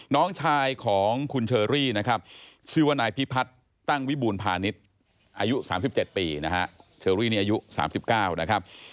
น้องชายของคุณเชอรี่นะครับชื่อว่านายพิพัฒน์ตั้งวิบูรพาณิชย์อายุ๓๗ปีนะฮะเชอรี่นี่อายุ๓๙นะครับ